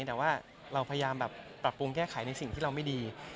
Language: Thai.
แต่ว่าเราพยายามแบบปรับปรุงแก้ไขในสิ่งที่เราไม่ดี